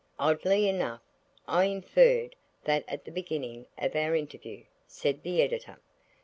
"Oddly enough, I inferred that at the very beginning of our interview," said the Editor.